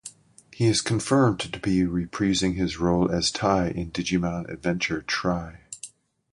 He is confirmed to be reprising his role as Tai in Digimon Adventure tri.